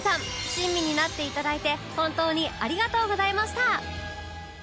親身になって頂いて本当にありがとうございました！